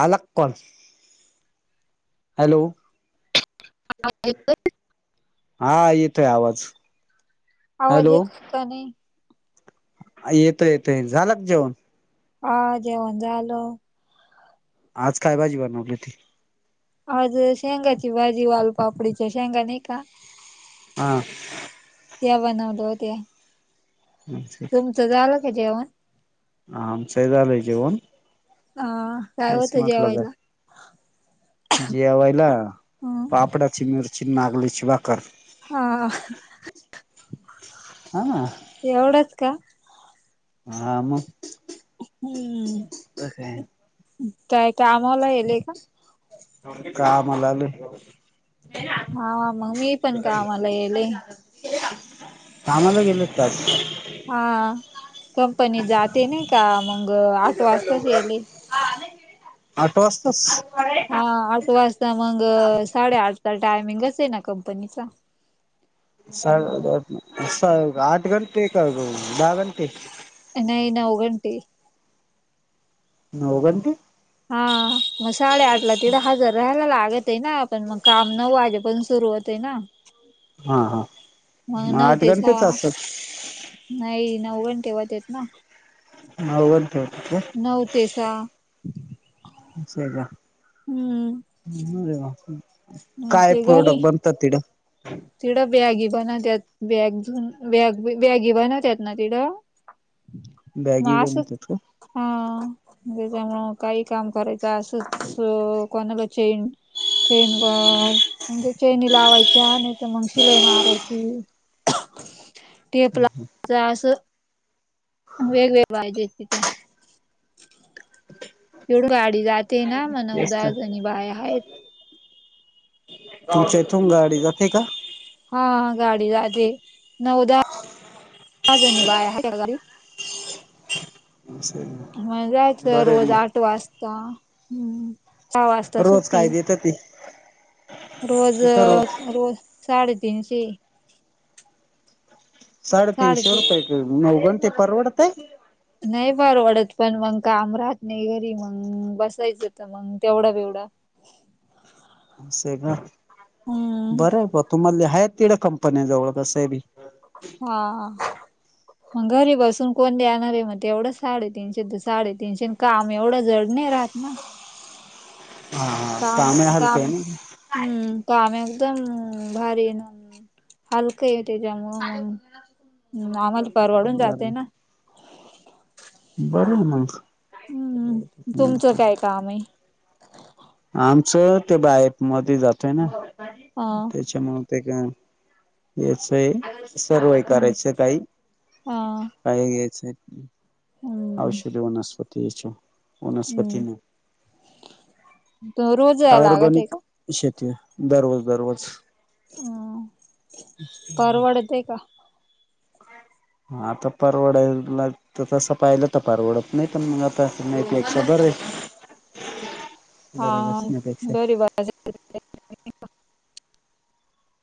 आला कण हॅलो. हा. हा येतोय आवाज हॅलो. का नाही? येत येतंय झाला जेवण. हा जेवण झालं. आज काय भाजी बनवली ती. आज शेंगाची भाजी, वाल पापडीच्या शेंगा नाही का. हा. ते बनवतो ते. ह ठीक आहे [unintelligible] तुमचं झालं का जेवण? हा आमच झाल जेवण. ह काय तेच होतं म्हटलं जेवायला? जरा जेवायला ह पापडाची मिरची, नागलीची बाकर. हा. हा. एवढंच का. हा मग. हम्म. काय काय का कामाला गेलय का. कामाला गेलतो. हा, हा मग मी पण कामाला येले. कामला गेले का आज. हा कंपनी जाते नाही का. मग आठ वाजताच येले. आठ वाजताच. हा आठ वाजता मग, साडेआठचा टायमिंगच आहे ना कंपनीचा. आठ घंटे का ग, दहा घंटे. नाही नऊ घंटे. नऊ घंटे. हा. मग साडेआठ ला, तिढं हजार राहायला लागत आहे ना, पण मग काम नऊ वाजे पर्यंत सुरु होत आहे ना. हा, हा मग नऊ आठ ते सहा घंटेच असल. नाही नऊ घंटे होतेत ना. नऊ घंटे होतात काय. नऊ ते सहा. आहे हम्म का, काय प्रोडक्ट बन बनतं तिकडं. तिकडं बॅगी बनवतात, बॅग झूम, बॅगी बनतत ना तिकडं. बॅगी ना असच बनतात का हा जेच्यामूळ. काही काम करायचं, असंच कोणाला चेन-चेन व म्हणजे चैनी लावायच्या, आणि तर मग शिलाई मारायची. ते आपला असं वेगवेगळे बाय तिथे. इकडून गाडी जाते ना, म नऊ तेच दहा तर जणी बाया आहेत. तुमच्या इथून गाडी जाते का? हा गाडीे जाते, नऊ-दहा. दहा जणी बाया हाईत त्या गाडीत. असं आहे का? म जायचं बरं आहे रोज आठ मग वाजता हम्म. सहा वाजता रोज सुट्टी काय देतं ती रोज. रोज साडे तीनशे. साडेतीनशे साडेतीन रुपये नऊ घंटे परवडतय. नाही परवडत पण मग काम राहत नाही, घरी मग बसायचं तर का. मंग तेवढा बेवढा असय का? हम्म बरय बुवा, तुम्हाले हाय तिड कंपन्याजवळ बसय बी हा हा मंग घरी बसून कोण देणारे, मग तेवढं साडे तीनशे तर साडे तीनशे काम एवढं जड नाही राहत ना? हा हा, काम कामही हलक काम आहे नय का हम्म, काम एकदम भारी हे ना. हलकं ये, त्याच्यामुळं मग आम्हाला परवडून जातय ना. बरय मंग हम्म, तुमचं काय काम आहे? आमचं ते बाहेप मध्ये जातोय ना. हा त्यामुळ, ते काम याच आहे सर्वाय हम्म करायचय काही, अ काही घ्यायचंय. हम्म औषधी वनस्पती याच्या, वनस्पती हम्म नाही. त रोज जाय लागत आहे ऑरगनिक का? शेती आहे, दररोज-दररोज. हम्म, परवडतय का? आता परवडायला त तसं पाहिला तर परवडत नाही पण मंग आता नाहीपेक्षा बरय. हा, घरी बस [unintelligible]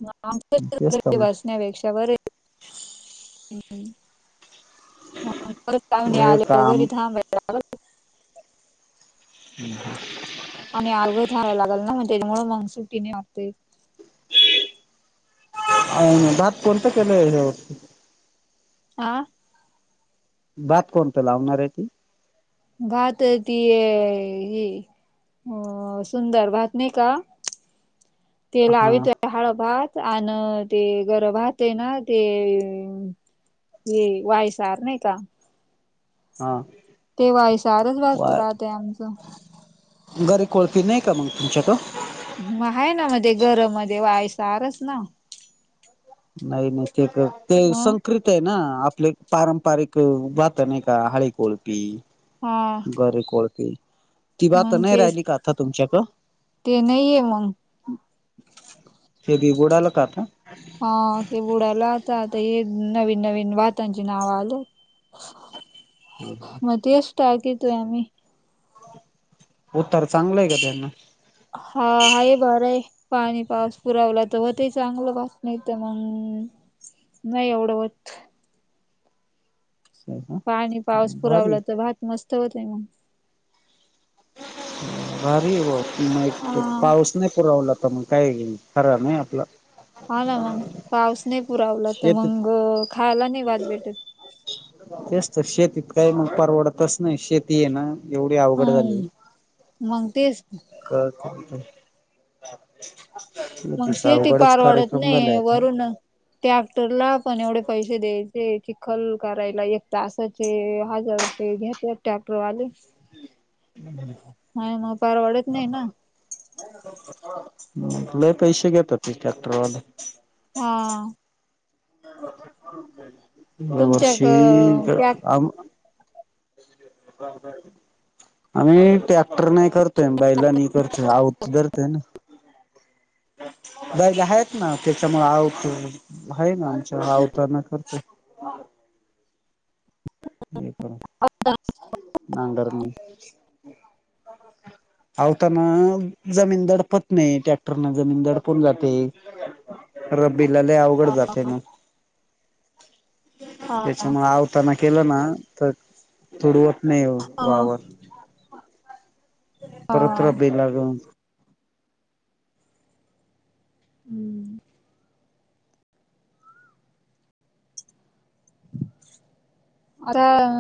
म आमचं तेच तर [inaudible] मग नाही पेक्षा बरय हम्म, परत पावणे हे आले तर काम घरी थांबाय लागलं. हम्म ह आणि [unintelligible] थांबाय लागल ना मग त्याच्यामुळ मंग सुट्टी नाय मागता येत. अन भात कोणतं केलंय ह्या आ भात कोणत लावणार आहे ती? भात ती य हे हो सुंदर भात नाही का, ते हा लावीतोय हाळ भात अन ते घर भात हे ना ते ये वायसार नाही का हा ते वायसारच भात राहतय आमचं. घरी कोळपी नाही का मंग तुमच्याक? म आहे ना मध्ये घरमध्ये वायसारच ना. नाही नाही ते क, ते मग संक्रित ते ना आपले पारंपरिक अ भातं नाही का हळे कोळपी. हा गरे कोळपी, ती भातं मग नाही ते राहिली का आता तुमच्या क? ते नाहीये मंग ते बी बुडाल का आता? हा ते बुडाल आता, आता हे नवीन-नवीन भातांची नाव आलेत. [inaudible] मध्येष्ट ट्रॅक येतो आहे आमी उत्तर चांगलं आहे का त्यांना. हा आहे बरं आहे. पाणी पाऊस पुरवला तर हो ते चांगलं पास मित मग नाही एवढं होत. असं आहे का? पाणी पाऊस भारी पुरावला त भात मस्त होतंय मग. भारी वो हा. पाऊस नाही पुरावला तं मग कायी खरं नाही आपलं. हाना मंग पाऊस नही पुरा वला तर शेतीत मंग खायला नाही भात भेटत. तेच तर शेतीत काय नही परवडतच नाही शेती ये ना एवडी अवघड झाली. हम्म मग तेच [unintelligible] मंग शेतीचा शेती अवघडच पारवडत कार्यक्रम झालाय नाही आता. वरूनं टॅक्टरला पण एवढे पैसे द्यायचे चिखल करायला एक तासाचे हजार रुपये घ्या ते ट्रॅक्टरवाले आणि मग परवडत नाही ना सांभाळून लई पैसे घेतात ते ट्रॅक्टरवले. हा. तुमच्या यावर्षी त्या आ आम्ही ट्रॅक्टर नाही करतोय बैलानी करतोय आऊत धरतंय ना. बैलं आहेत ना त्याच्यामुळे आउत आहे ना आमच्या आवतानं करतोय. [inaudible] हे करु नांगराण आवतानं जमीन दडपत नाही ट्रॅक्टर नं जमीन दडपुन जाते. [inaudible] रब्बीला लई अवघड हा जातंय मंग हा त्याच्यामुलं आवतानं केलं ना तर तुडवत नाही हा वावर. हा. परत रब्बीला लाग हम्म आरं